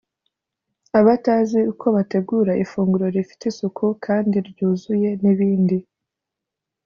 abatazi uko bategura ifunguro rifite isuku kandi ryuzuye n’ibindi